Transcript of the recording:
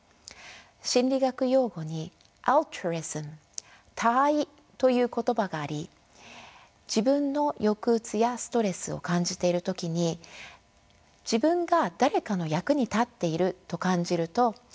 心理学用語にＡｌｔｒｕｉｓｍ他愛という言葉があり自分の抑うつやストレスを感じている時に自分が誰かの役に立っていると感じると抑うつが和らぐという考え方です。